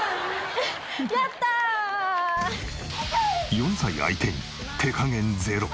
４歳相手に手加減ゼロ。